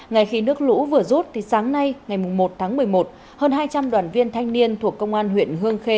ngày khi nước lũ vừa rút sáng nay ngày một tháng một mươi một hơn hai trăm linh đoàn viên thanh niên thuộc công an huyện hương khê